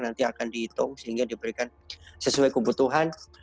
nanti akan dihitung sehingga diberikan sesuai kebutuhan